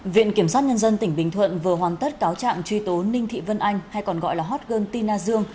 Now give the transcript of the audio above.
viện kiểm soát nhân dân tỉnh bình thuận vừa hoàn tất cáo trạng truy tố ninh thị vân anh hay còn gọi là hot girl tina dương